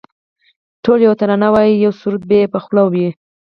ټول یوه ترانه وایی یو سرود به یې په خوله وي